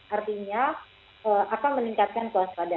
artinya akan meningkatkan kuasa badan